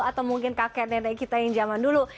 atau mungkin kakek nenek kita yang zaman dulu